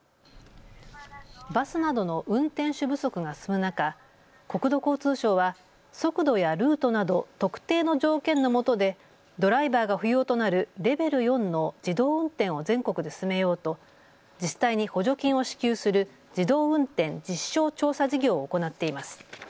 バスなどの運転手不足が進む中、国土交通省は速度やルートなど特定の条件のもとでドライバーが不要となるレベル４の自動運転を全国で進めようと自治体に補助金を支給する自動運転実証調査事業を行っています。